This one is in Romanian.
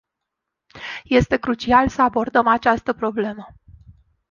Este crucial să abordăm această problemă.